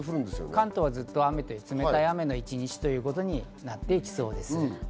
関東はずっと冷たい雨の一日ということになっていきそうです。